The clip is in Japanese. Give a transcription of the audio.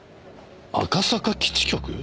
赤坂基地局？